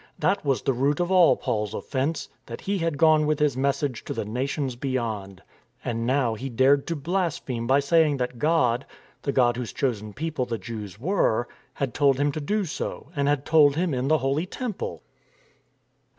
That was the root of all Paul's offence, that he had gone with his Message to the Nations beyond. And now he dared to blaspheme by saying that God — the God whose Chosen People the Jews were — had told him to do so, and had told him in the holy Temple.